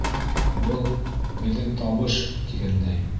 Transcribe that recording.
Был - беҙҙең табыш! - тигәндәй.